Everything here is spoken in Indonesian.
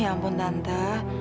ya ampun tante